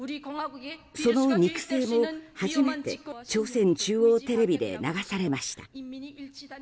その肉声も初めて朝鮮中央テレビで流されました。